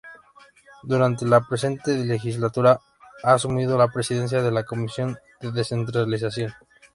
Durante la presente legislatura ha asumido la presidencia de la Comisión de Descentralización.